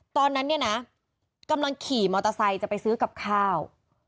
ตอนนั้นเนี่ยนะกำลังขี่มอเตอร์ไซค์จะไปซื้อกับข้าว